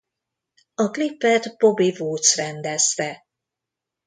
A klipet Bobby Woods rendezte.